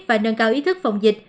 và nâng cao ý thức phòng dịch